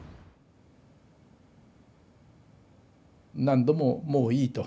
何度も「もういい」と。